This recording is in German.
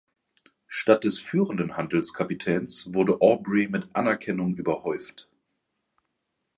Statt des führenden Handelskapitäns wurde Aubrey mit Anerkennung überhäuft.